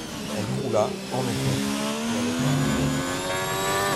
Elle croula, en effet, et avec un bruit épouvantable.